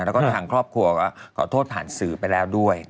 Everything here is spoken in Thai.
แล้วก็ทางครอบครัวก็ขอโทษผ่านสื่อไปแล้วด้วย